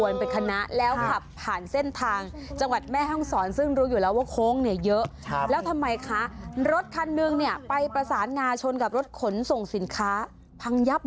เรากลัวไปชนเขาเฉียวเขาไม่มีตังค์จ่าย